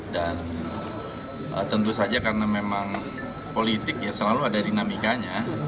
dan tentu saja karena memang politik ya selalu ada dinamikanya